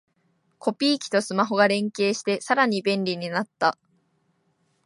コピー機とスマホが連携してさらに便利になった